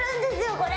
これ。